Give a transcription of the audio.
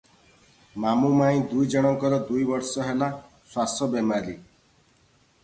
ମାମୁ ମାଇଁ ଦୁଇ ଜଣଙ୍କର ଦୁଇ ବର୍ଷ ହେଲା ଶ୍ୱାସ ବେମାରୀ ।